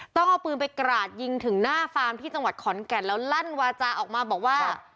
ต้องเอาปืนไปกราดยิงถึงหน้าฟาร์มที่จังหวัดขอนแก่นแล้วลั่นวาจาออกมาบอกว่า